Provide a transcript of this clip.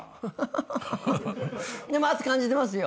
ハハハでも圧感じてますよ。